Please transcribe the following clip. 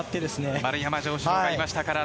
丸山城志郎がいましたからね。